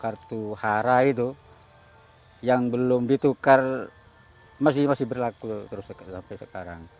kartu hara itu yang belum ditukar masih berlaku terus sampai sekarang